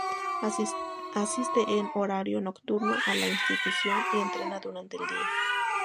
Asiste en horario nocturno a la institución, y entrena durante el día.